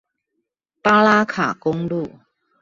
巴拉卡公路